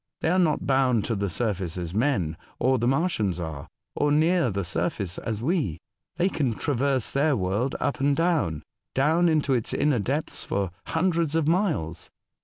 They are not bound to the surface as men or the Martians are, or near the surface as we ; they can traverse their world up and down — down into its inner depths for hundreds of miles."